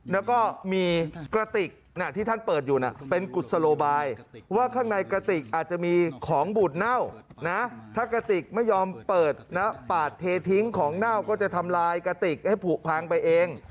แล้วก็มีกระติกที่ท่านเปิดอยู่น่ะเป็นกุศโลบายว่าข้างในกระติกอาจจะมีของบูดเน่านะถ้ากระติกไม่ยอมเปิดนะปาดเททิ้งของเน่าก็จะทำลายกระติกให้ผูกพังไปเอง